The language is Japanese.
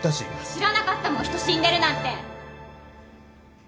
知らなかったもん人死んでるなんて。